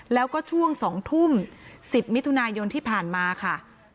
แล้วก็ช่วง๒ทุ่ม๑๐มิถุนายนที่ผ่านมาค่ะ